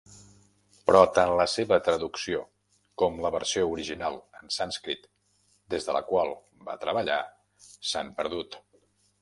Però tant la seva traducció com la versió original en sànscrit des de la qual va treballar s'han perdut.